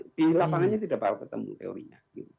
kan realitati di lapangannya tidak pernah ketemu teorinya